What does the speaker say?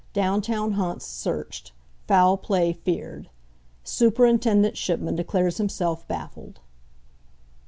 DOWN TOWN HAUNTS SEARCHED. FOUL PLAY FEARED. SUPERINTENDENT SHIPMAN DECLARES HIMSELF BAFFLED.